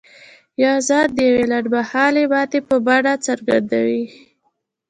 يا ځان د يوې لنډ مهالې ماتې په بڼه څرګندوي.